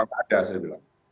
tidak ada saya bilang